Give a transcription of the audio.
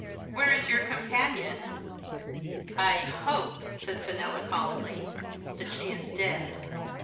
" Where is your companion ?"" I hope,'' said Fenella calmly, " that she is dead.